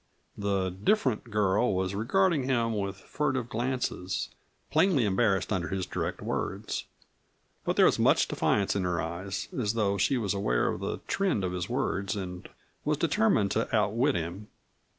The "different" girl was regarding him with furtive glances, plainly embarrassed under his direct words. But there was much defiance in her eyes, as though she was aware of the trend of his words and was determined to outwit him.